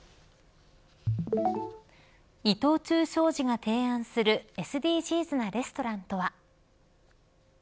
伊藤忠商事が提案するＳＤＧｓなレストランとは。